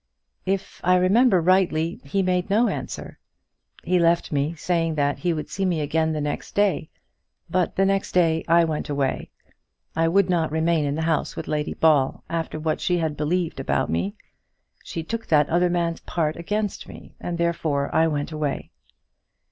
"If I remember rightly, he made no answer. He left me saying that he would see me again the next day. But the next day I went away. I would not remain in the house with Lady Ball after what she had believed about me. She took that other man's part against me, and therefore I went away."